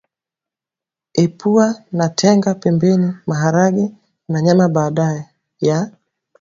Epua na tenga pembeni maharage na nyama baada ya